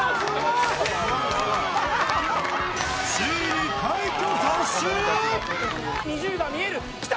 ついに快挙達成？